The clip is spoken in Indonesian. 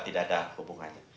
tidak ada hubungannya